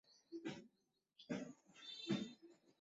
সোনা, এখানে কী হচ্ছে?